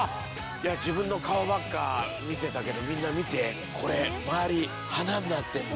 いや自分の顔ばっか見てたけどみんな見てこれ周り花になってんの。